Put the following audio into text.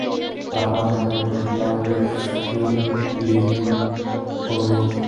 বাবা, জানো, এই প্রথমবার ব্রিফিং লিড করব।